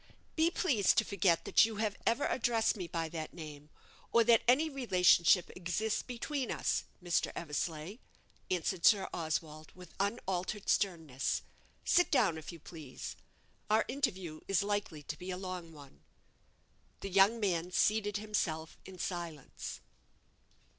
"Be pleased to forget that you have ever addressed me by that name, or that any relationship exists between us, Mr. Eversleigh," answered Sir Oswald, with unaltered sternness. "Sit down, if you please. Our interview is likely to be a long one." The young man seated himself in silence.